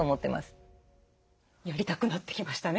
やりたくなってきましたね。